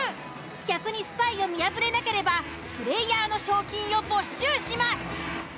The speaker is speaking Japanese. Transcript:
逆にスパイを見破れなければプレイヤーの賞金を没収します。